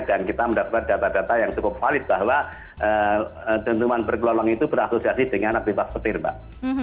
dan kita mendapatkan data data yang cukup valid bahwa dentuman bergelombang itu berasasi dengan abifas petir mbak